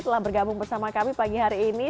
telah bergabung bersama kami pagi hari ini